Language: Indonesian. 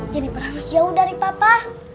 jeniper harus jauh dari papa